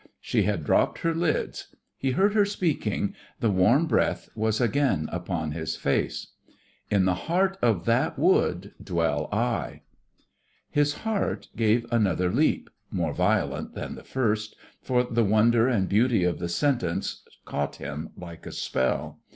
She had dropped her lids. He heard her speaking the warm breath was again upon his face: "In the heart of that wood dwell I." His heart gave another leap more violent than the first for the wonder and beauty of the sentence caught him like a spell.